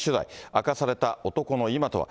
明かされた男の今とは。